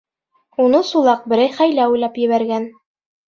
Уны Сулаҡ берәй хәйлә уйлап ебәргән.